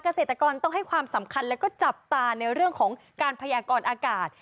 เกษตรกรต้องให้ความสำคัญแล้วก็จับตาในเรื่องของการพยากรอากาศ